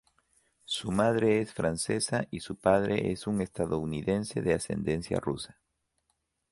Su madre es francesa y su padre es un estadounidense de ascendencia rusa.